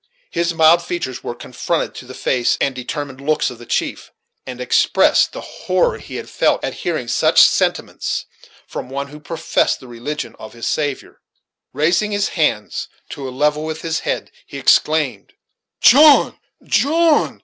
His mild features were confronted to the fierce and determined looks of the chief, and expressed the horror he felt at hearing such sentiments from one who professed the religion of his Saviour. Raising his hands to a level with his head, he exclaimed: "John, John!